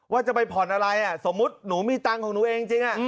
ว่าจะไปผ่อนอะไรสมมุติหนูมีตังค์ของหนูเองจริง